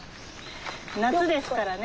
夏ですからね。